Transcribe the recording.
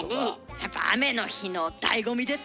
やっぱ雨の日のだいご味ですな！